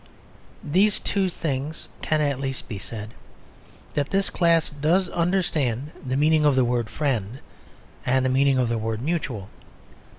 These two things can at least be said that this class does understand the meaning of the word "friend" and the meaning of the word "mutual."